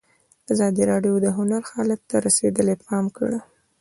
ازادي راډیو د هنر حالت ته رسېدلي پام کړی.